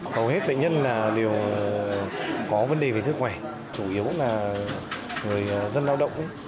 hầu hết bệnh nhân đều có vấn đề về sức khỏe chủ yếu là người dân lao động